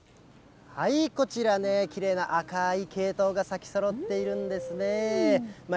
こちら、きれいな赤いケイトウが咲きそろっているんですね。